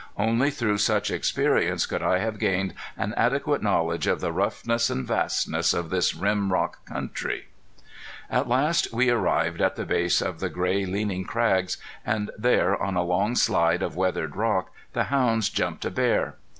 Only through such experience could I have gained an adequate knowledge of the roughness and vastness of this rim rock country. At last we arrived at the base of the gray leaning crags, and there, on a long slide of weathered rock the hounds jumped a bear.